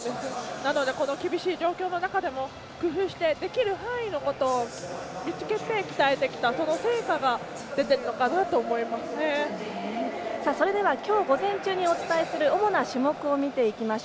なので、この厳しい状況の中でも工夫してできる範囲のことを見つけて鍛えてきた成果が今日午前中にお伝えする主な種目を見ていきます。